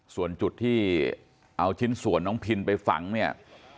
ส่วนจุดที่เอาชิ้นส่วนน้องพินไปฝังเนี่ย